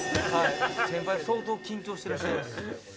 先輩相当緊張してらっしゃいます。